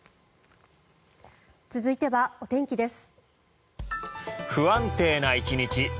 続いてはお天気です。